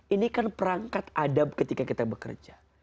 ini kan perangkat adab ketika kita bekerja